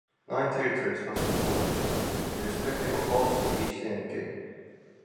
Nine territories must be fought, irrespective of house, to reach the endgame.